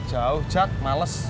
jauh cak males